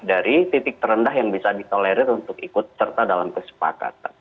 dari titik terendah yang bisa ditolerir untuk ikut serta dalam kesepakatan